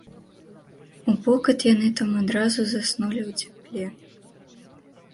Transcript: Упокат яны там адразу заснулі ў цяпле.